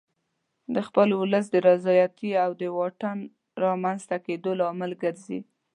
د خپل ولس د نارضایتي او د واټن رامنځته کېدو لامل ګرځي.